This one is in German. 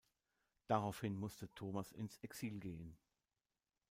Daraufhin musste Thomas ins Exil gehen.